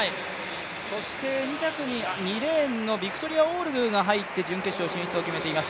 そして２着に２レーンのビクトリア・オールグーが入って準決勝進出を決めています。